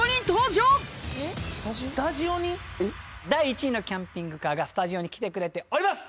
第１位のキャンピングカーがスタジオに来てくれております！